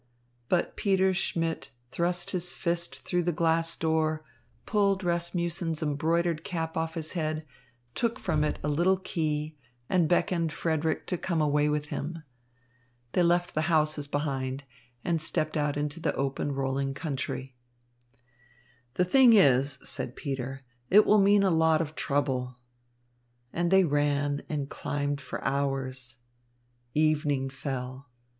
But Peter Schmidt thrust his fist through the glass door, pulled Rasmussen's embroidered cap off his head, took from it a little key, and beckoned Frederick to come away with him. They left the houses behind and stepped out into the open rolling country. "The thing is," said Peter, "it will mean a lot of trouble." And they ran and climbed for hours. Evening fell.